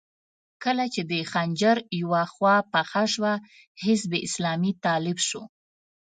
کله چې د خنجر يوه خوا پڅه شوه، حزب اسلامي طالب شو.